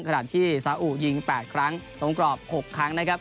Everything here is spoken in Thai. ขณะที่สาอุยิง๘ครั้งตรงกรอบ๖ครั้งนะครับ